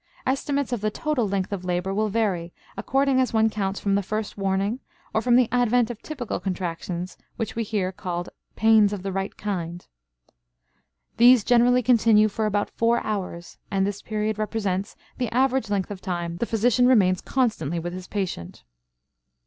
Estimates of the total length of labor will vary according as one counts from the first warning or from the advent of typical contractions which we hear called "pains of the right kind." These generally continue for about four hours, and this period represents the average length of time the physician remains constantly with his patient.